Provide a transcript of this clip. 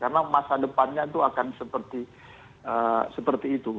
karena masa depannya itu akan seperti itu